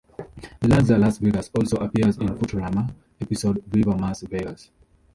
The Luxor Las Vegas also appears in "Futurama" episode, "Viva Mars Vegas".